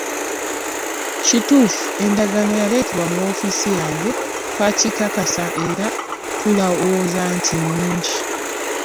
Kituufu, endagaano yaleetebwa mu woofiisi yange, twagikakasa era tulowooza nti nnungi.